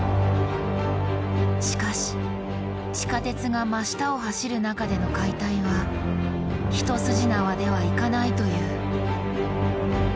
しかし地下鉄が真下を走る中での解体は一筋縄ではいかないという。